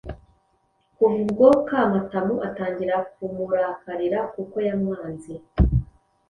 kuva ubwo Kamatamu atangira kumurakarira kuko yamwanze,